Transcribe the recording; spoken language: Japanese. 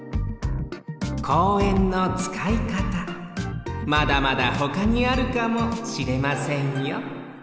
公園のつかいかたまだまだほかにあるかもしれませんよ